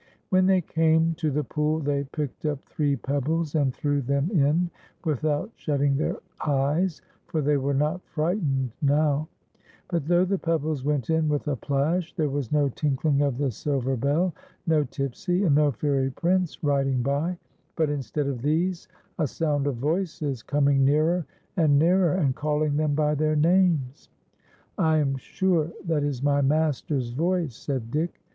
When they came to the pool they picked up three pebbles, and threw them in without shutting their eyes, for they were not friL; htcned now; but though the pebbles went in with a plash, there was no tinkling of the silver bell, no Tipsy, and no Fairy Prince riding by; but instead of these, a sound of voices, coming nearer and nearer, and calling them by tlieir names. " I am sure that is my master's voice," said Dick.